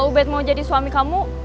ubed mau jadi suami kamu